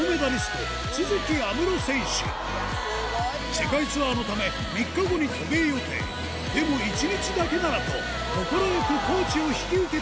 世界ツアーのため３日後に渡米予定でも１日だけならと快くコーチを引き受けてくれた